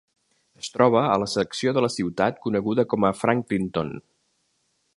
Es troba a la secció de la ciutat coneguda com a Franklinton.